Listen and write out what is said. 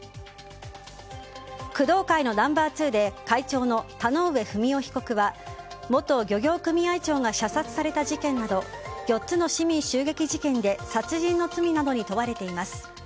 工藤会のナンバー２で会長の田上不美夫被告は元漁協組合長が射殺された事件など４つの市民襲撃事件で殺人の罪などに問われています。